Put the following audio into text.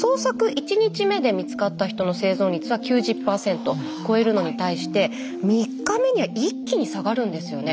１日目で見つかった人の生存率は９０％超えるのに対して３日目には一気に下がるんですよね。